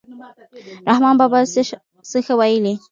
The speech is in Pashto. رحمان بابا څه ښه ویلي.